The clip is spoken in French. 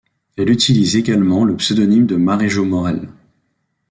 Elle utilise également le pseudonyme de Marie-Jo Morell.